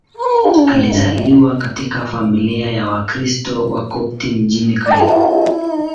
Alizaliwa katika familia ya Wakristo Wakopti mjini Kairo.